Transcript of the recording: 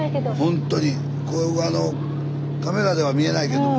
ほんとにカメラでは見えないけども。